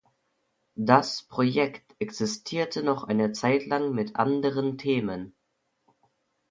Das Projekt existierte noch eine Zeitlang mit anderen Themen.